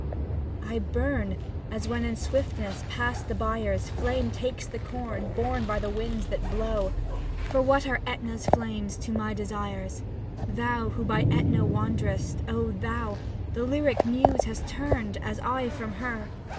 I burn, as when in swiftness, past the byres. Flame takes the corn, borne by the winds that blow ; For what are ^Etna's flames to my desires. Thou, who by i^tna wanderest, O Thou! The Lyric Muse has turned, as I from her.